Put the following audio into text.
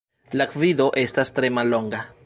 La gvido estas tre mallonga.